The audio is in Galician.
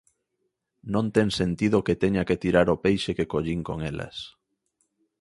Non ten sentido que teña que tirar o peixe que collín con elas.